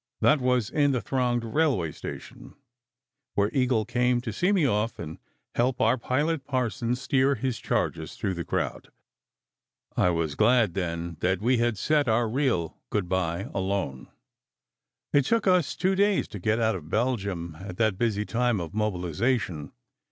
That was in the thronged railway station, where Eagle came to see me off and help our pilot parson steer his charges through the crowd. I was glad then that we had said our real good bye alone. It took us two days to get out of Belgium at that busy time of mobilization.